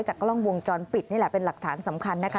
กล้องวงจรปิดนี่แหละเป็นหลักฐานสำคัญนะคะ